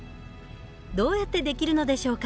どうやって出来るのでしょうか？